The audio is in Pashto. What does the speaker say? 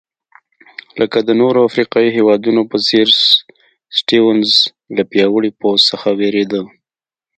لکه د نورو افریقایي هېوادونو په څېر سټیونز له پیاوړي پوځ څخه وېرېده.